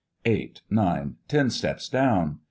Eight, nine, ten steps down.